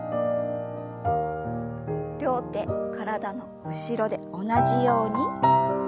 両手体の後ろで同じように。